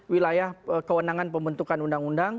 wilayah kewenangan pembentukan undang undang